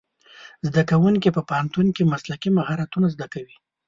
زدهکوونکي په پوهنتون کې مسلکي مهارتونه زده کوي.